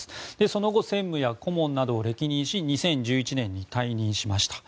その後、専務や顧問などを歴任し２０１１年に退任しました。